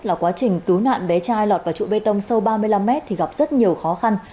là quá trình cứu nạn bé trai lọt vào trụ bê tông sâu ba mươi năm mét thì gặp rất nhiều khó khăn